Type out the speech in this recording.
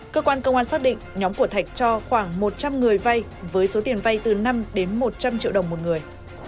cơ quan công an xác định nhóm của thạch cho khoảng một trăm linh người vay với số tiền vay từ năm đến một trăm linh triệu đồng một người